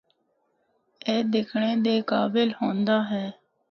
اے دکھنڑے دے قابل ہوندا ہے۔